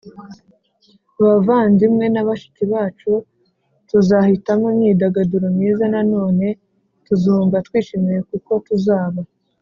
bavandimwe na bashiki bacu tuzahitamo imyidagaduro myiza Nanone tuzumva twishimye kuko tuzaba